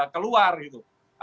kalau dia keluar